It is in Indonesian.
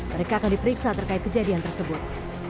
mereka akan diperiksa terkait kejadian tersebut